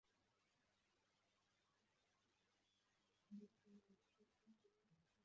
Igice cya kabiri cyambaye ubusa gisimbukira mu mazi